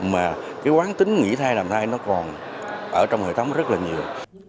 mà cái quán tính nghỉ thai làm thai nó còn ở trong hệ thống rất là nhiều